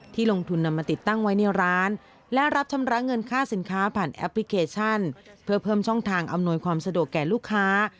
ลงทุนนำมาติดตั้งไว้ในร้านและรับชำระเงินค่าสินค้าผ่านแอปพลิเคชันเพื่อเพิ่มช่องทางอำนวยความสะดวกแก่ลูกค้า